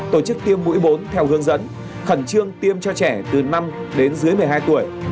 tổ chức tiêm mũi bốn theo hướng dẫn khẩn trương tiêm cho trẻ từ năm đến dưới một mươi hai tuổi